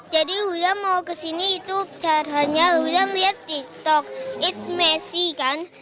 jadi hulam mau ke sini itu caranya hulam lihat tiktok it's messy kan